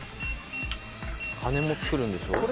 羽根も作るんでしょ？